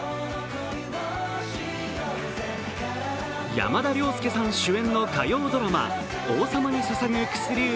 山田涼介さん出演の火曜ドラマ「王様に捧ぐ薬指」